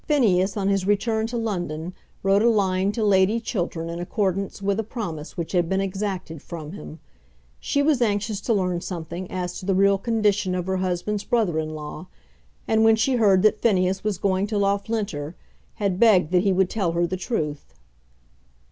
Phineas on his return to London wrote a line to Lady Chiltern in accordance with a promise which had been exacted from him. She was anxious to learn something as to the real condition of her husband's brother in law, and, when she heard that Phineas was going to Loughlinter, had begged that he would tell her the truth.